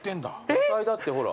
野菜だってほら。